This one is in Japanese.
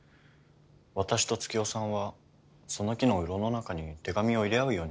私と月代さんはその木のうろの中に手紙を入れ合うようにしておりました。